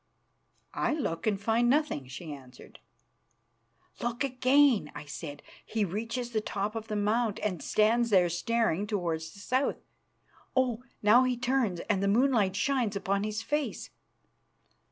"I look and find nothing," she answered. "Look again," I said. "He reaches the top of the mount and stands there staring towards the south. Oh! now he turns, and the moonlight shines upon his face."